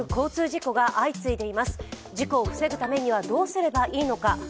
事故を防ぐためにはどうしたらいいのか。